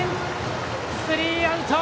スリーアウト！